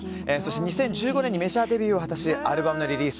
２０１５年にメジャーデビューを果たしアルバムリリース